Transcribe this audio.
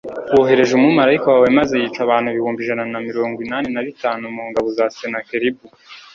wohereje umumalayika wawe maze yica abantu ibihumbi ijana na mirongo inani na bitanu mu ngabo za senakeribu